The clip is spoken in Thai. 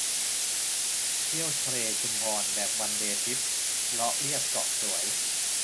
เที่ยวทะเลชุมพรแบบวันเดย์ทริป เลาะเลียบเกาะสวย